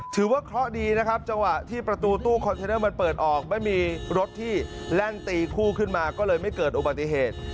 ถือว่าเคราะห์ดีนะครับจังหวะที่ประตูตู้คอนเทนเนอร์มันเปิดออกไม่มีรถที่แล่นตีคู่ขึ้นมาก็เลยไม่เกิดอุบัติเหตุ